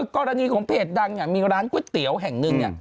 กรณีของเพจดังมีร้านก๋วยเตี๋ยวแห่งนึง